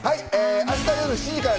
明日夜７時から